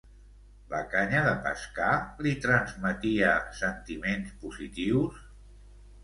La canya de pescar li transmetia sentiments positius?